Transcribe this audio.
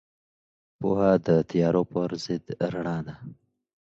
پوهه د تیارو پر ضد رڼا ده.